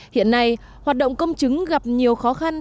hiện nay hoạt động công chứng gặp nhiều khó khăn